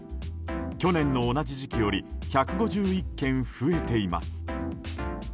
去年の同じ時期より１５１件増えています。